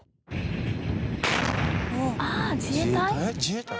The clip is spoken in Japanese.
ああ自衛隊？